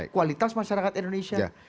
kualitas masyarakat indonesia